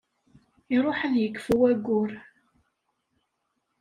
Iṛuḥ ad yekfu waggur.